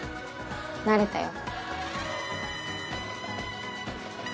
なれたよ。